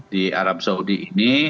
di arab saudi ini